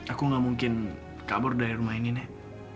aku gak mungkin kabur dari rumah ini nek